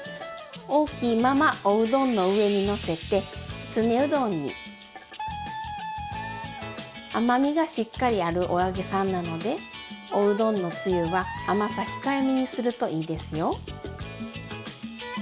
大きいままおうどんの上にのせて甘みがしっかりあるお揚げさんなのでおうどんのつゆは甘さ控えめにするといいですよ。